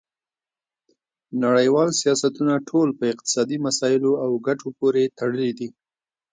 نړیوال سیاستونه ټول په اقتصادي مسایلو او ګټو پورې تړلي دي